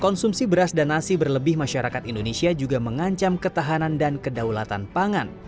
konsumsi beras dan nasi berlebih masyarakat indonesia juga mengancam ketahanan dan kedaulatan pangan